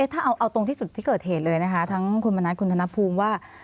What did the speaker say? ถ้าเอาตรงที่สุดที่เกิดเหตุเลยนะคะทั้งคุณมณัฐคุณธนภูมิว่า